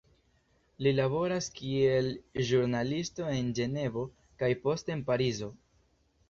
Li laboras kiel ĵurnalisto en Ĝenevo kaj poste en Parizo.